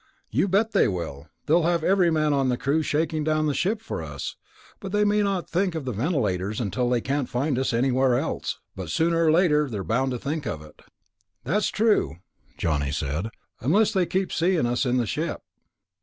"You bet they will! They'll have every man on the crew shaking down the ship for us. But they may not think of the ventilators until they can't find us anywhere else." "But sooner or later they're bound to think of it." "That's true," Johnny said. "Unless they keep seeing us in the ship.